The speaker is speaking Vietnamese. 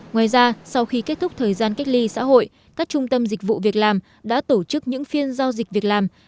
ngoài ra sau khi kết thúc thời gian cách ly xã hội các trung tâm dịch vụ việc làm đã tổ chức những phiên giao dịch việc làm